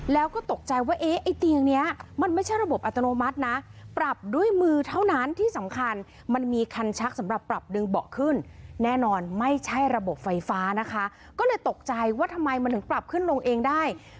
แล้วก็ตกใจว่าเอ๊ะไอ้ตีงนี้มันไม่ใช่ระบบอัตโนมัตินะ